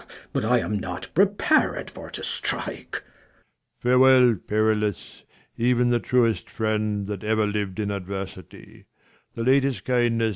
Mess. But I am not prepared for to strike. Leir. Farewell, Perillus, even the truest friend, That ever lived in adversity: 220 The latest Jdndnesj.